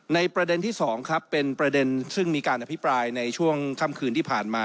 ประเด็นที่๒ครับเป็นประเด็นซึ่งมีการอภิปรายในช่วงค่ำคืนที่ผ่านมา